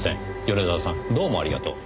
米沢さんどうもありがとう。